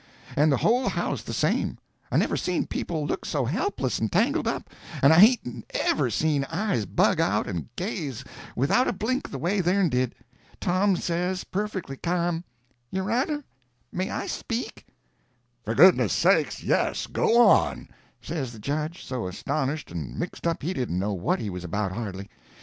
And the whole house the same. I never seen people look so helpless and tangled up, and I hain't ever seen eyes bug out and gaze without a blink the way theirn did. Tom says, perfectly ca'm: "Your honor, may I speak?" "For God's sake, yes—go on!" says the judge, so astonished and mixed up he didn't know what he was about hardly.